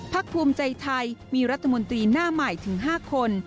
ภูมิใจไทยมีรัฐมนตรีหน้าใหม่ถึง๕คน